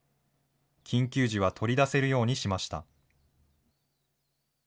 緊急時は取り出せるようにしました。